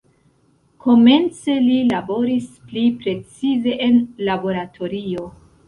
Komence li laboris pli precize en laboratorio.